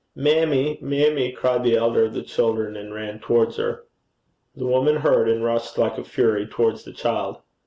ha!' 'Mammie! mammie!' cried the elder of the children, and ran towards her. The woman heard, and rushed like a fury towards the child.